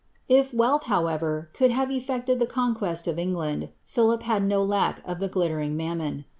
IT wealth, however, («aU have eflecied the conquest of England, Philip had no lack of thi gla* lering inammoo.